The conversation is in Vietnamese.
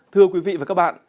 thưa quý vị và các bạn